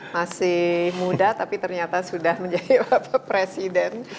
masih muda tapi ternyata sudah menjadi bapak presiden